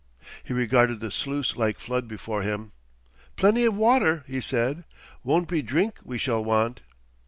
He regarded the sluice like flood before him. "Plenty of water," he said. "Won't be drink we shall want."